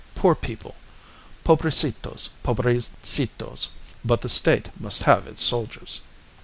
Poor people! Pobrecitos! Pobrecitos! But the State must have its soldiers."